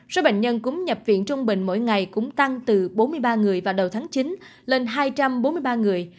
số bệnh nhân cúm nhập viện trung bình mỗi ngày cũng tăng từ bốn mươi ba người vào đầu tháng chín lên hai trăm bốn mươi ba người